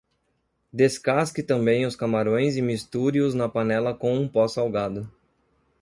Descasque também os camarões e misture-os na panela com um pó salgado.